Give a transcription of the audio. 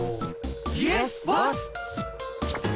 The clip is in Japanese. イエスボス！